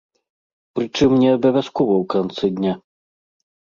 Прычым, неабавязкова ў канцы дня.